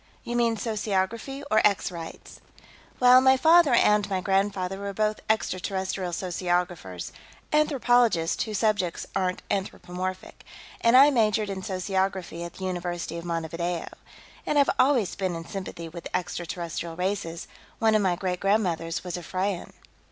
"You mean sociography, or Ex Rights? Well, my father and my grandfather were both extraterrestrial sociographers anthropologists whose subjects aren't anthropomorphic and I majored in sociography at the University of Montevideo. And I've always been in sympathy with extraterrestrial races; one of my great grandmothers was a Freyan."